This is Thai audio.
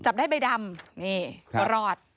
จับได้ใบดำนี่ก็รอด